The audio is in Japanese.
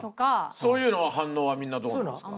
そういうのは反応はみんなどうなんですか？